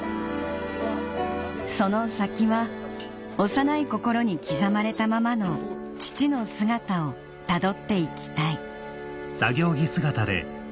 その先は幼い心に刻まれたままの父の姿をたどっていきたい